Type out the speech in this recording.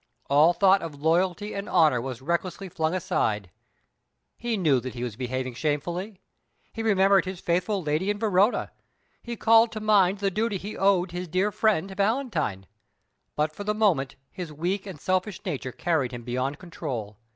All thought of loyalty and honour was recklessly flung aside. He knew he was behaving shamefully. He remembered his faithful lady in Verona; he called to mind the duty he owed his dear friend Valentine. But for the moment his weak and selfish nature carried him beyond control.